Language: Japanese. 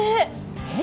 えっ？